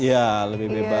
iya lebih bebas